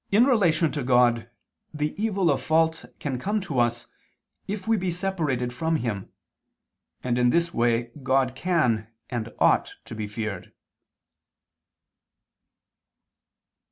In relation to God the evil of fault can come to us, if we be separated from Him: and in this way God can and ought to be feared.